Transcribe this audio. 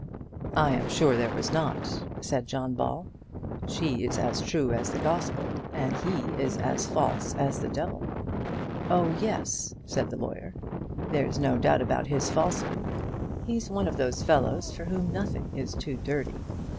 "I am sure there was not," said John Ball. "She is as true as the Gospel, and he is as false as the devil." "Oh, yes," said the lawyer; "there's no doubt about his falsehood. He's one of those fellows for whom nothing is too dirty.